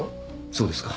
そうですか。